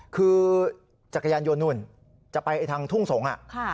คือจักรยานยนต์นู่นจะไปทางทุ่งสงศ์